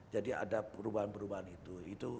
jadi ada perubahan perubahan itu